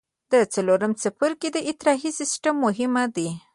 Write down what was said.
د څلورم څپرکي د اطراحي سیستم مهم دی.